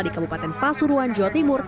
di kabupaten pasuruan jawa timur